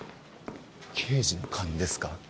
刑事の勘ですか？